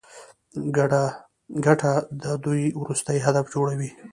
ګټه د دوی وروستی هدف جوړوي